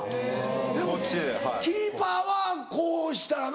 でもキーパーはこうしたらな。